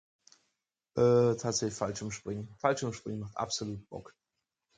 Äh tatsächlich, Fallschirmspringen, Fallschirmspringen absolut Bock.